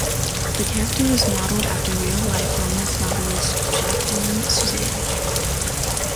The character was modeled after real-life romance novelist Jacqueline Susann.